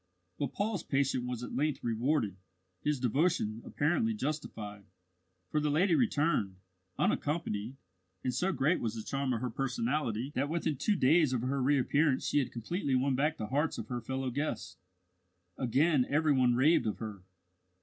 But Paul's patience was at length rewarded, his devotion apparently justified, for the lady returned, unaccompanied; and so great was the charm of her personality that within two days of her reappearance she had completely won back the hearts of her fellow guests. Again every one raved of her.